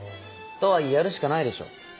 とはいえやるしかないでしょ。